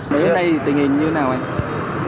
nói đến đây thì tình hình như thế nào anh